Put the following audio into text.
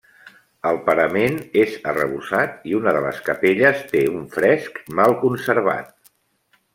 El parament és arrebossat i una de les capelles té un fresc mal conservat.